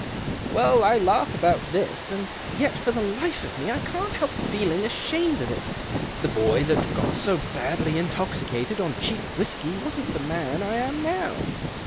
Well, I laugh about this, and yet for the life of me I can't help feeling ashamed 3f it. The boy that got so badly intoxicated 3u cheap whisky wasn't the man I am now.